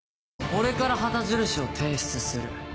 俺から旗印を提出する。